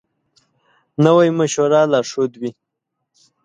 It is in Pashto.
نوی مشوره لارښود وي